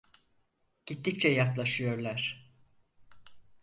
Gittikçe yaklaşıyorlar.